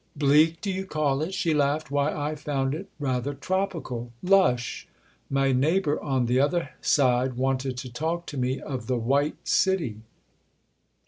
"Bleak do you call it?" she laughed. "Why I found it, rather, tropical—'lush.' My neighbour on the other side wanted to talk to me of the White City."